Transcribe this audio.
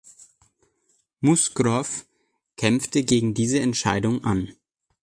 Musgrove kämpfte gegen diese Entscheidung an.